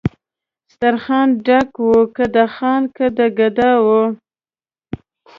سترخان ډک و که د خان که د ګدا وو